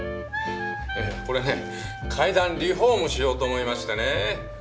これね階段リフォームしようと思いましてね。